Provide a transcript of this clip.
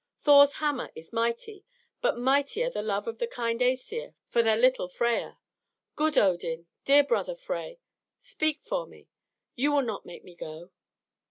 Thor's hammer is mighty, but mightier the love of the kind Æsir for their little Freia! Good Odin, dear brother Frey, speak for me! You will not make me go?"